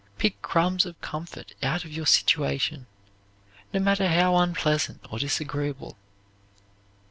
Pick crumbs of comfort out of your situation, no matter how unpleasant or disagreeable.